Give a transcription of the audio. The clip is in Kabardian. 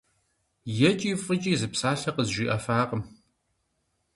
ЕкӀи фӀыкӀи зы псалъэ къызжиӀэфакъым.